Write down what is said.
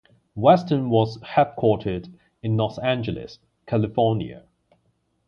Western was headquartered in Los Angeles, California.